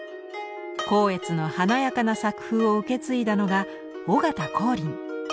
光悦の華やかな作風を受け継いだのが尾形光琳。